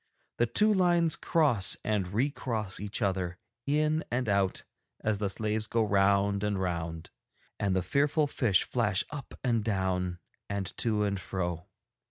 The two lines cross and re cross each other in and out as the slaves go round and round, and the fearful fish flash up and down and to and fro.'